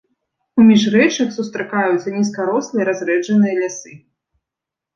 У міжрэччах сустракаюцца нізкарослыя разрэджаныя лясы.